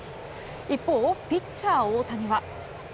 一方、ピッチャー大谷は。